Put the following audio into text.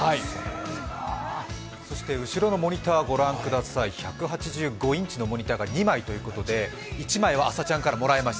そして後ろのモニター御覧ください、１８５インチのモニター２枚ということで２枚ということで、１枚は「あさチャン！」からもらいました